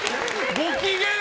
ご機嫌！